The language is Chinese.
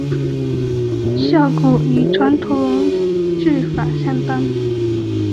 效果与传统制法相当。